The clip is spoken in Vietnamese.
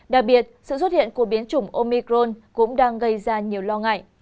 đặc biệt sự xuất hiện của biến chủng omicron cũng đang gây ra nhiều lo ngại